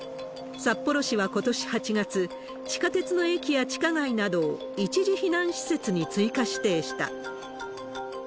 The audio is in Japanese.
札幌市はことし８月、地下鉄の駅や地下街などを、一時避難施設に追加指定した。